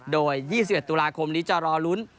โดย๒๑ตุลาคมนี้จะรอลุ้น